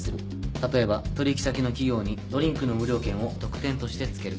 例えば取引先の企業にドリンクの無料券を特典として付ける。